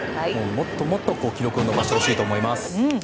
もっともっと記録を伸ばしてほしいと思います。